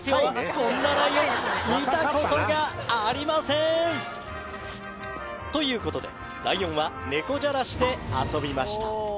こんなライオン見たことがありませんということでライオンは猫じゃらしで遊びました